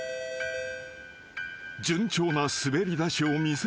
［順調な滑り出しを見せる３人］